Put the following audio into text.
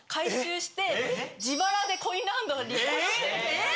えっ！